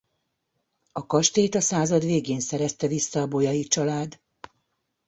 A kastélyt a század végén szerezte vissza a Bolyai család.